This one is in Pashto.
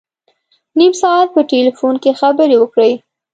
نیم ساعت په ټلفون کې خبري وکړې.